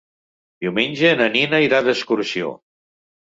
Diumenge na Nina irà d'excursió.